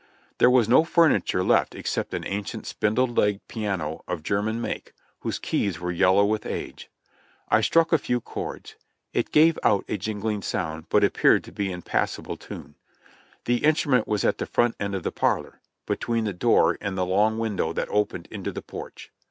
There was no furniture left except an ancient spindle legged piano of Ger nian make, whose keys were yellow with age. I struck a few chords. It gave out a jingling sound, but appeared to be in pass able tune. The instrument was at the front end of the parlor, between the door and the long window that opened into the porch.